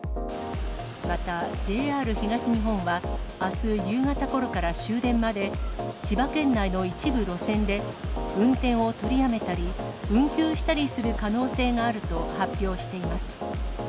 またＪＲ東日本は、あす夕方ごろから終電まで、千葉県内の一部路線で運転を取りやめたり、運休したりする可能性があると発表しています。